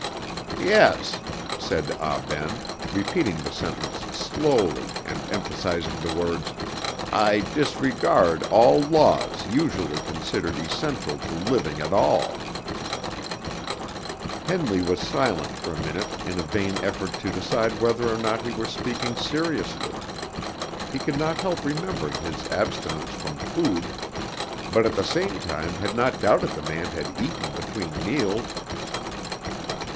"Yes," said Ah Ben, repeating the sentence slowly and emphasizing the words, "I disregard all laws usually considered essential to living at all!" Henley was silent for a minute in a vain effort to decide whether or not he were speaking seriously. He could not help remembering his abstinence from food, but at the time had not doubted the man had eaten between meals.